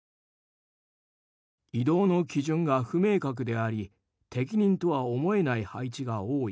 異動の基準が不明確であり適任とは思えない配置が多い。